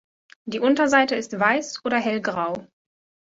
Die Unterseite ist weiß oder hellgrau.